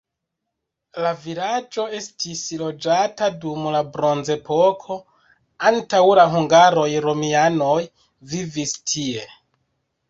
La vilaĝo estis loĝata dum la bronzepoko, antaŭ la hungaroj romianoj vivis tie.